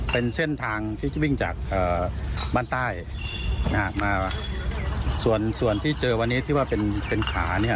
เป็นเส้นทางที่จะวิ่งจากบ้านใต้นะฮะมาส่วนส่วนที่เจอวันนี้ที่ว่าเป็นเป็นขาเนี่ย